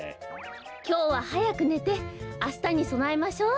きょうははやくねてあしたにそなえましょう。